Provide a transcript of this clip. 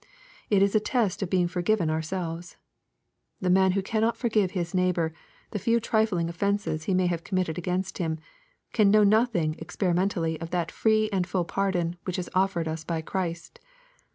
''— It is a test of being forgiven ourselves. The man who cannot forgive his neighbor the few trifling offences he may have committed against him, can know nothing experimentally of that free and full pardon which is offered us by Christ.